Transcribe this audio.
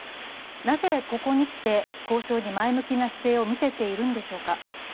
なぜここに来て交渉に前向きな姿勢を見せているんでしょうか。